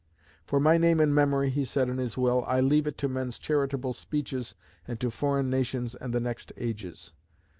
"For my name and memory," he said in his will, "I leave it to men's charitable speeches, and to foreign nations and the next ages."